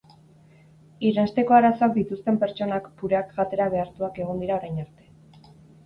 Irensteko arazoak dituzten pertsonak pureak jatera behartuak egon dira orainarte.